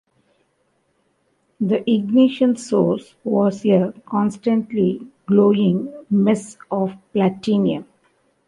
The ignition source was a constantly glowing mesh of platinum.